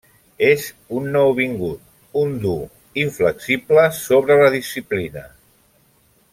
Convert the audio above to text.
És un nouvingut, un dur, inflexible sobre la disciplina.